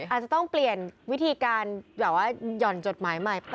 อาจจะต้องเปลี่ยนวิธีการแบบว่าหย่อนจดหมายใหม่